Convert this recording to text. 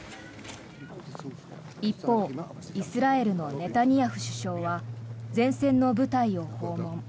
一方、イスラエルのネタニヤフ首相は前線の部隊を訪問。